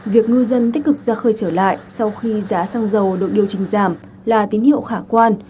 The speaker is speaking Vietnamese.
việc ngư dân tích cực ra khơi trở lại sau khi giá xăng dầu được điều chỉnh giảm là tín hiệu khả quan